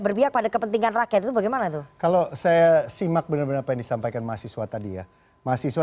berpihak pada kepentingan rakyat itu bagaimana tuh kalau saya simak benar benar penyampaikan mahasiswa